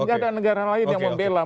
tidak ada negara lain yang membela